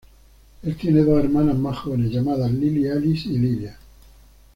Él tiene dos hermanas más jóvenes llamadas Lily Alice y Livia.